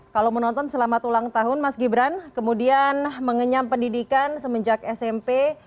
kalau menonton selamat ulang tahun mas gibran kemudian mengenyam pendidikan semenjak smp